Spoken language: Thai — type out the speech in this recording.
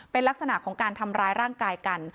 เป็นลักษณะของการทำร้ายร่างกายกัน